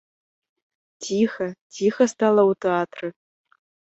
Ціха, ціха стала ў тэатры.